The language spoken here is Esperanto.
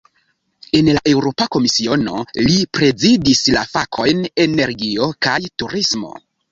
En la Eŭropa Komisiono, li prezidis la fakojn "energio kaj turismo".